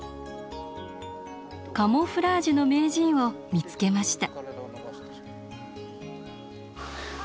カモフラージュの名人を見つけました。